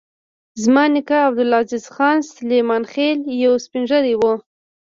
زما نیکه عبدالعزیز خان سلیمان خېل یو سپین ږیری و.